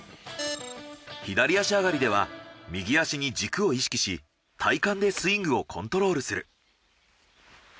左足上がりでは右足に軸を意識し体幹でスイングをコントロールする。